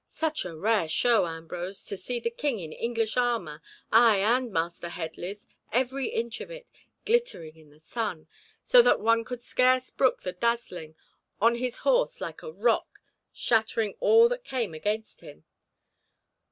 Such a rare show, Ambrose, to see the King in English armour, ay, and Master Headley's, every inch of it, glittering in the sun, so that one could scarce brook the dazzling, on his horse like a rock shattering all that came against him!